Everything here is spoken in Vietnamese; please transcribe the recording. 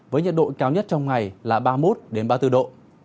với nhiệt độ cao nhất trong ngày là ba mươi một ba mươi bốn độ